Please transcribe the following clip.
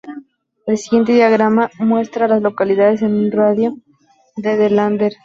El siguiente diagrama muestra a las localidades en un radio de de Lander.